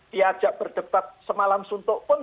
diajak berdebat semalam suntuk pun